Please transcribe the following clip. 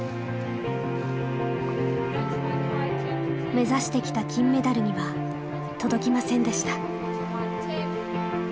目指してきた金メダルには届きませんでした。